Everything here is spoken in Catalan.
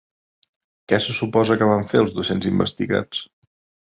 Què se suposa que van fer els docents investigats?